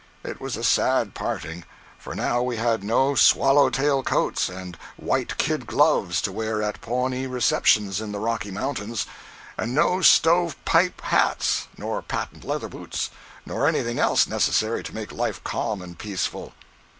It was a sad parting, for now we had no swallow tail coats and white kid gloves to wear at Pawnee receptions in the Rocky Mountains, and no stove pipe hats nor patent leather boots, nor anything else necessary to make life calm and peaceful.